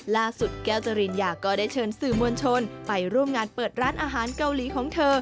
แก้วจริญญาก็ได้เชิญสื่อมวลชนไปร่วมงานเปิดร้านอาหารเกาหลีของเธอ